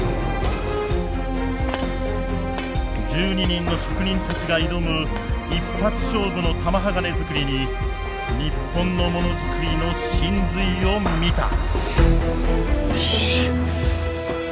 １２人の職人たちが挑む一発勝負の玉鋼づくりに日本のものづくりの神髄を見た。